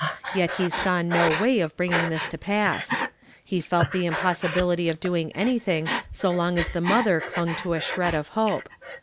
Yet he saw no way of bringing tliis to pass. He felt the impos sil)ility of doing anything so long as the motlior clung to a shred of hope.